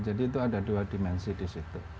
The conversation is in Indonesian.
jadi itu ada dua dimensi di situ